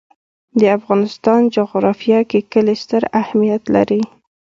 د افغانستان جغرافیه کې کلي ستر اهمیت لري.